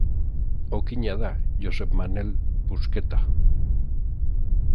Okina da Josep Manel Busqueta.